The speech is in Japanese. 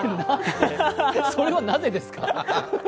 それはなぜですか。